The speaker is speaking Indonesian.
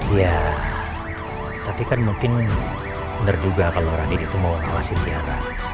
iya tapi kan mungkin bener juga kalau radit itu mau mengawasi tiara